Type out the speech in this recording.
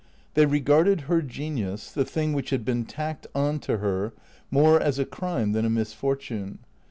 They regarded her genius (the thing which had been tacked on to her) more as a crime than a misfortune.